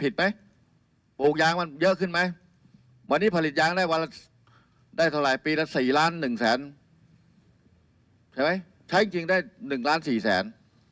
ใช่ไหมใช้จริงได้๑ล้าน๔แสน